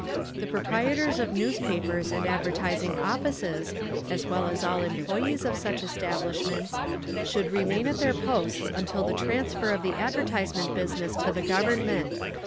The proprietors of newspapers and advertising offices, as well as all employees of such establishments, should remain at their posts until the transfer of the advertisement business to the Government….